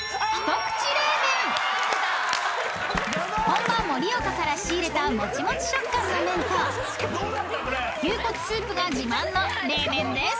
［本場盛岡から仕入れたもちもち食感の麺と牛骨スープが自慢の冷麺です］